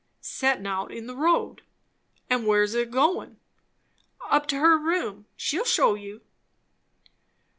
"Settin' out in the road." "And where's it goin'?" "Up to her room. She'll shew you."